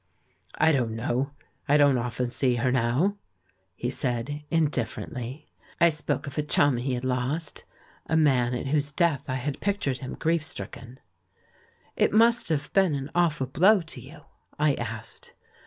"I don't know, I don't often see her now," he said indifferently. I spoke of a chum he had lost, a man at whose death I had pictured THE RECONCILIATION 379 him grief stricken. "It must have been an aw ful blow to you ?" I asked.